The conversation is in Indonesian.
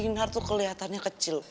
kinar tuh kelihatannya kecil